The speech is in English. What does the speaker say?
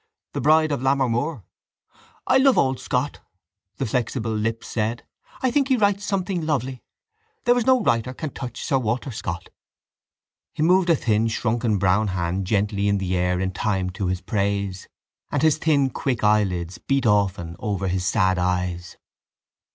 The Bride of Lammermoor? —I love old Scott, the flexible lips said, I think he writes something lovely. There is no writer can touch sir Walter Scott. He moved a thin shrunken brown hand gently in the air in time to his praise and his thin quick eyelids beat often over his sad eyes.